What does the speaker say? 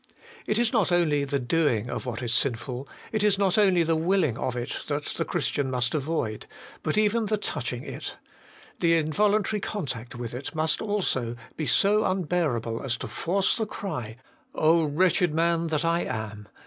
It is not only the doing what is sinful, it is not only the willing of it, that the Christian must avoid, but even the touching it : the involuntary contact with it must be so unbearable as to force the cry, O wretched man that I am